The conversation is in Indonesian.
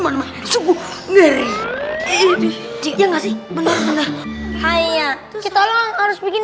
manggung sungguh ngeri ini ya nggak sih bener bener hai ya kita harus bikin